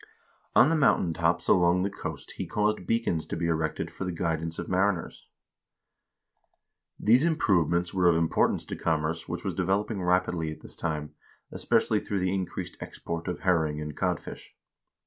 On the mountain tops along the coast he caused beacons to be erected for the guidance of mariners. These improvements were of importance to commerce, which was developing rapidly at this time, especially through the increased export of herring and codfish.